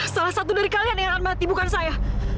salah satu dari kalian yang akan mati bukan saya